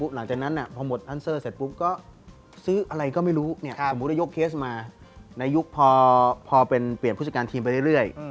หลังจากนั้นพอหมดอันเซอร์เสร็จปุ๊บก็ซื้ออะไรก็ไม่รู้สมมุติว่ายกเคสมาในยุคพอเป็นเปลี่ยนผู้จัดการทีมไปเรื่อย